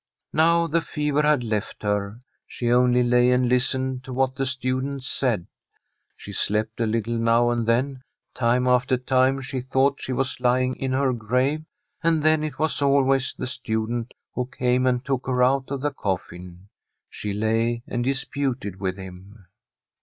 Now the fever had left her, she only lay and listened to what the student said. She slept a little now and then ; time after time she thought she was lying in her grave, and then it was always the student who came and took her out of the cof fin. She lay and disputed with him.